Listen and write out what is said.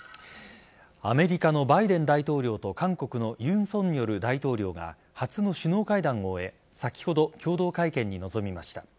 アメリカのバイデン大統領と韓国の尹錫悦大統領が初の首脳会談を終え先ほど共同会見に臨みました。